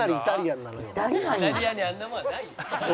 「イタリアにあんなものはないよ」